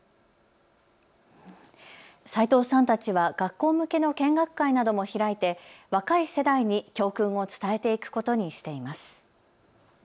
斉藤さんたちは学校向けの見学会なども開いて若い世代に教訓を伝えていくことにしています。